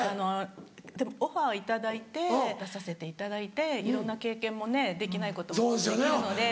でもオファーいただいて出させていただいていろんな経験もねできないこともできるので。